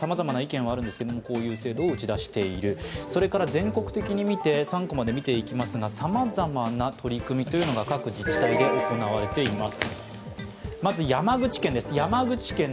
全国的に３コマで見ていきますがさまざまな取り組みが各自治体で行われています。